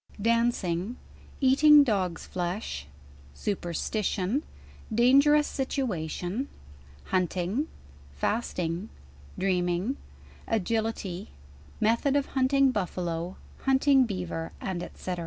Dancing' Euting dog's Jlcsh Superstition Dangerous $il uatiou Haul ing Wasting Dreaming Agility Jfietk odof hunting buffalo Hunting beaver y &c.